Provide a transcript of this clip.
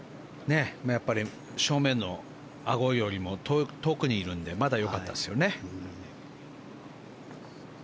正面のあごよりも遠くにいるのでまだよかったですよね。